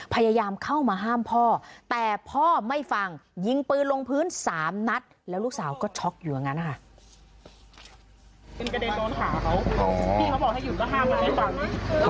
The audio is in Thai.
พยายามเข้ามาห้ามพ่อแต่พ่อไม่ฟังยิงปืนลงพื้น๓นัดแล้วลูกสาวก็ช็อกอยู่อย่างนั้นนะคะ